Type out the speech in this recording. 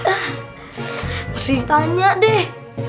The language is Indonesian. eh mesti ditanya deh